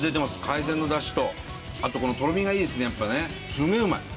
海鮮の出汁とあとこのとろみがいいですね